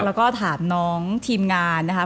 แล้วก็ถามน้องทีมงานนะครับ